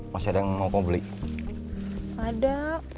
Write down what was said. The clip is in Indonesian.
masih ada yang mau beli ada